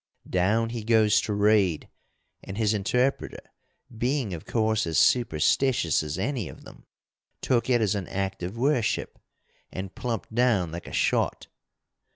Down he goes to read, and his interpreter, being of course as superstitious as any of them, took it as an act of worship and plumped down like a shot.